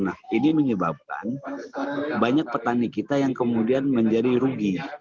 nah ini menyebabkan banyak petani kita yang kemudian menjadi rugi